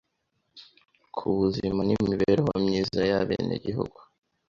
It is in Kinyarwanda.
ku buzime n’imibereho myize y’ebenegihugu.